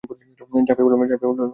ঝাঁপিয়ে পড়ল, মেয়েটির উপর।